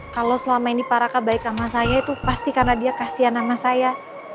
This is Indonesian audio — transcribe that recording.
kalau selama ini paraka baik sama saya itu pasti karena dia kasian sama saya